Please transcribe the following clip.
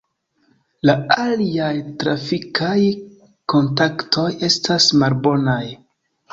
La aliaj trafikaj kontaktoj estas malbonaj.